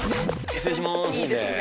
失礼しまーす。